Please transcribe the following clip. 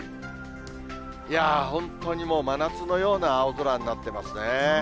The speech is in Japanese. いやー、本当にもう、真夏のような青空になってますね。